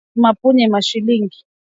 Mapunye Mashilingi